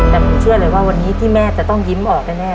แต่ผมเชื่อเลยว่าวันนี้ที่แม่จะต้องยิ้มออกแน่